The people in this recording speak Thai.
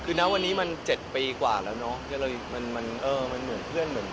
คือเราวันนี้มัน๗ปีกว่าแล้วเนอะรกน้อยเราก็เหมือนเพื่อนเหมือนพี่